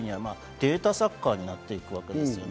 データサッカーになってくるわけですよね。